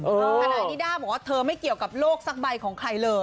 ทนายนิด้าบอกว่าเธอไม่เกี่ยวกับโลกสักใบของใครเลย